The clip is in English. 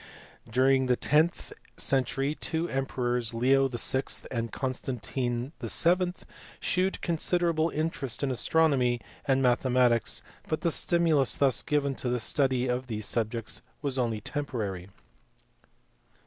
During the tenth century two emperors Leo VI. and Con stantine VII. shewed considerable interest in astronomy and mathematics, but the stimulus thus given to the study of these subjects was only temporary.